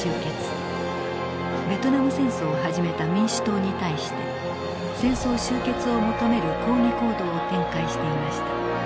ベトナム戦争を始めた民主党に対して戦争終結を求める抗議行動を展開していました。